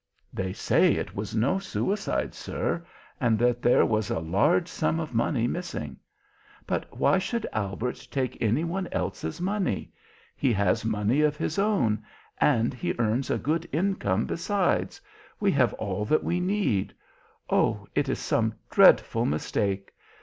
"They say it was no suicide, sir, and that there was a large sum of money missing. But why should Albert take any one else's money? He has money of his own, and he earns a good income besides we have all that we need. Oh, it is some dreadful mistake!